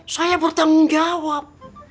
saya bertanggung jawab